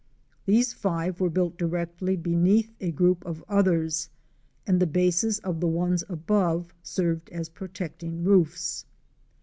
These five were built directly beneath a group of others, and the bases of the ones above served as protecting roofs.